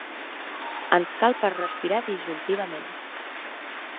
Ens cal per respirar disjuntivament.